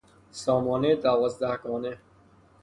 سامانهی دوازدهگانه